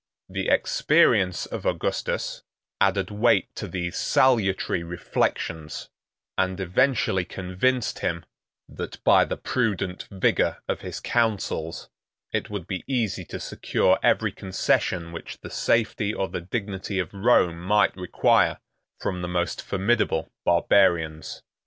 The experience of Augustus added weight to these salutary reflections, and effectually convinced him that, by the prudent vigor of his counsels, it would be easy to secure every concession which the safety or the dignity of Rome might require from the most formidable barbarians.